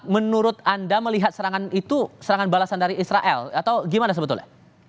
menurut anda melihat serangan itu serangan balasan dari israel atau gimana sebetulnya